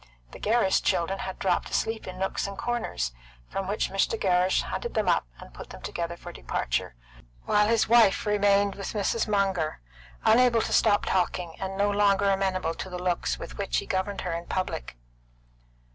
The Gerrish children had dropped asleep in nooks and corners, from which Mr. Gerrish hunted them up and put them together for departure, while his wife remained with Mrs. Munger, unable to stop talking, and no longer amenable to the looks with which he governed her in public.